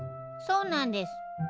そうなんです。